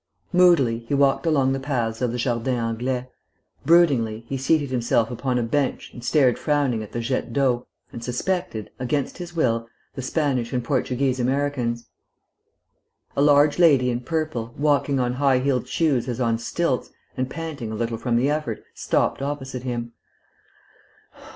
Moodily he walked along the paths of the Jardin Anglais; broodingly he seated himself upon a bench and stared frowning at the jet d'eau, and suspected, against his will, the Spanish and Portuguese Americans. A large lady in purple, walking on high heeled shoes as on stilts, and panting a little from the effort, stopped opposite him.